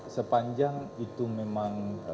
sepanjang itu memang